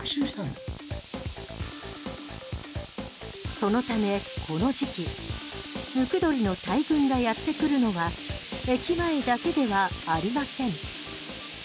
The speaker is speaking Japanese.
そのためこの時期ムクドリの大群がやってくるのは駅前だけではありません。